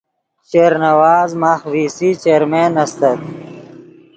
شیر نواز ماخ وی سی چیرمین استت